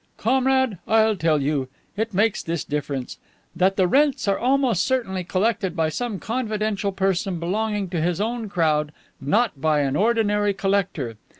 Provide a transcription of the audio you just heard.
"Comrade, I'll tell you. It makes this difference: that the rents are almost certainly collected by some confidential person belonging to his own crowd, not by an ordinary collector.